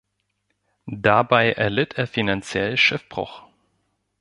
Dabei erlitt er finanziell Schiffbruch.